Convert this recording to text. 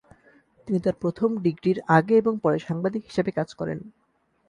তিনি তার প্রথম ডিগ্রীর আগে এবং পরে সাংবাদিক হিসাবে কাজ করেন।